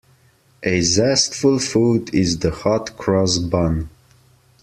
A zestful food is the hot-cross bun.